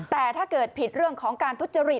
แต่ถ้าเกิดผิดเรื่องของการทุจริต